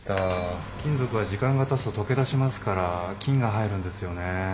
金属は時間がたつととけだしますから菌が入るんですよねえ。